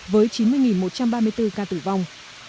với chín mươi một trăm ba mươi bốn ca tử vong